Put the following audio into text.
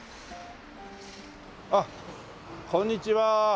あっこんにちは。